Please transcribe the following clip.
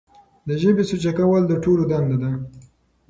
د ژبې سوچه کول د ټولو دنده ده.